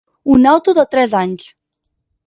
Un auto de tres anys.